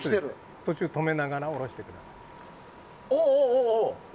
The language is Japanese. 途中、止めながら下ろしてください。